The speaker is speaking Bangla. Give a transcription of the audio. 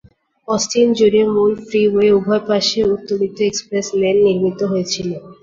অস্টিন জুড়ে, মূল ফ্রিওয়ে উভয় পাশে উত্তোলিত এক্সপ্রেস লেন নির্মিত হয়েছিল।